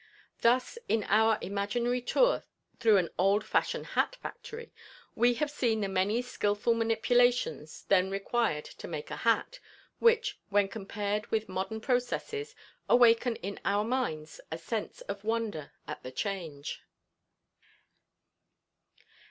Thus, in our imaginary tour through an old fashioned hat factory, we have seen the many skillful manipulations then required to make a hat, which, when compared with modern processes, awaken in our minds a sense of wonder at the change.